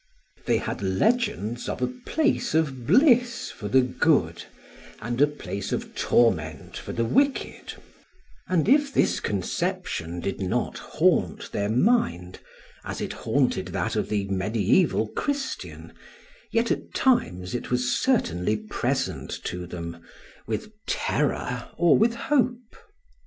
They had legends of a place of bliss for the good and a place of torment for the wicked; and if this conception did not haunt their mind, as it haunted that of the mediaeval Christian, yet at times it was certainly present to them, with terror or with hope.